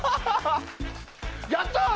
やったー！